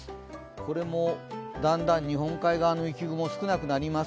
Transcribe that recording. これもだんだん日本海側の雪雲、少なくなります。